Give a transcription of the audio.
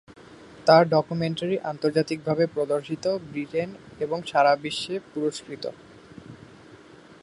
তার ডকুমেন্টারি, আন্তর্জাতিকভাবে প্রদর্শিত, ব্রিটেন এবং সারাবিশ্বে পুরস্কৃত।